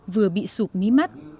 vừa bị sụp mấy mắt